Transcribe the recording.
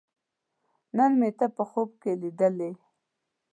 نن مې ته په خوب کې لیدلې